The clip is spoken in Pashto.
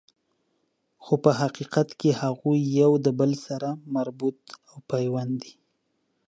خو په حقیقت کی هغوی یو د بل سره مربوط او پیوند دي